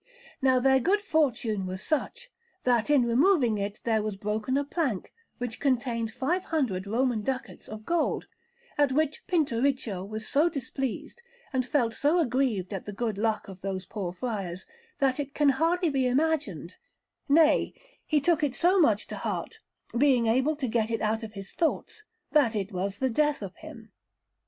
Now their good fortune was such, that in removing it there was broken a plank which contained 500 Roman ducats of gold; at which Pinturicchio was so displeased, and felt so aggrieved at the good luck of those poor friars, that it can hardly be imagined nay, he took it so much to heart, being unable to get it out of his thoughts, that it was the death of him.